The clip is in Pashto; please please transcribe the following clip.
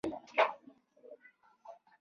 متل او مثل د مفهوم او مانا له مخې یو دي